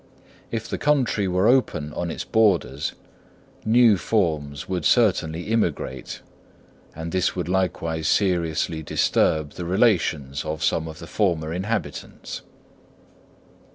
If the country were open on its borders, new forms would certainly immigrate, and this would likewise seriously disturb the relations of some of the former inhabitants.